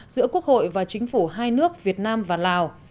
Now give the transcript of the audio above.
giữa quốc hội và chính phủ hai nước việt nam và lào